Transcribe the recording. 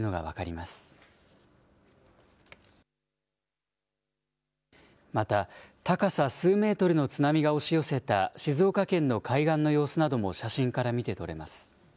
また高さ数メートルの津波が押し寄せた静岡県の海岸の様子なども写真から見てとれます。